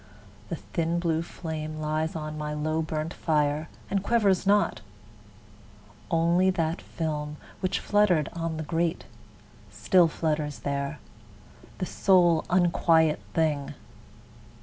the thin blue flame Lies on my low burnt fire, and quivers not; Only that film, which fluttered on the grate, Still flutters there, the sole unquiet thing.